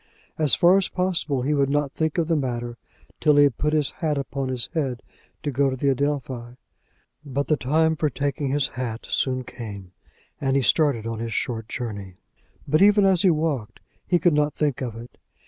As far as possible he would not think of the matter till he had put his hat upon his head to go to the Adelphi. But the time for taking his hat soon came; and he started on his short journey. But even as he walked, he could not think of it.